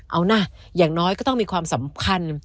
เอานะอย่างน้อยก็ต้องมีความสำคัญ